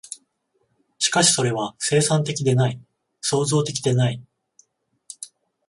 しかしそれは生産的でない、創造的でない。